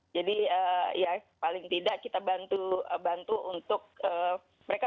jadi ya paling tidak kita bantu bantu untuk mereka